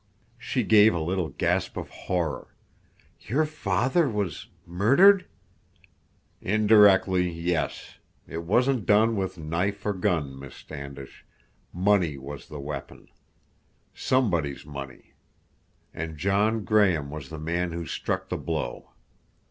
She gave a little gasp of horror. "Your father—was—murdered—" "Indirectly—yes. It wasn't done with knife or gun, Miss Standish. Money was the weapon. Somebody's money. And John Graham was the man who struck the blow.